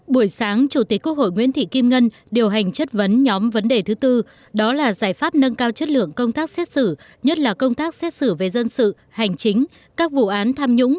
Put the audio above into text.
buổi sáng chủ tịch quốc hội nguyễn thị kim ngân điều hành chất vấn nhóm vấn đề thứ bốn đó là giải pháp nâng cao chất lượng công tác xét xử nhất là công tác xét xử về dân sự hành chính